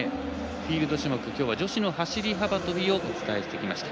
フィールド種目女子の走り幅跳びをお伝えしてきました。